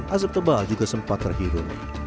asap tebal juga sempat terhiru